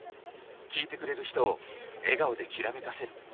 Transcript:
聴いてくれる人を笑顔できらめかせる。